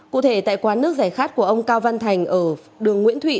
cụ thể tại quán nước giải khát của ông cao văn thành ở đường nguyễn thủy